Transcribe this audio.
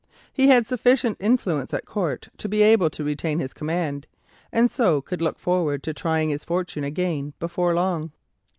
He had sufficient influence at Court to be able to retain his command, and so could look forward to trying his fortune again before long.